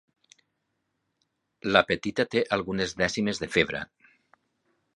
La petita té algunes dècimes de febre.